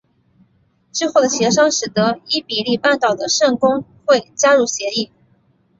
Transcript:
之后的协商使得伊比利半岛的圣公会加入协议。